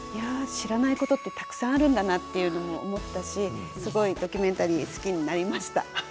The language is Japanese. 知らないことってたくさんあるんだなっていうのも思ったしすごいドキュメンタリー好きになりました。